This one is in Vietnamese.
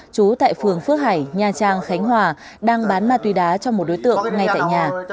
trú tại phường phước hải nha trang khánh hòa đang bán ma túy đá cho một đối tượng ngay tại nhà